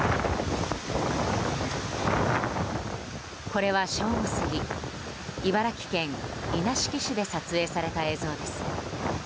これは正午過ぎ茨城県稲敷市で撮影された映像です。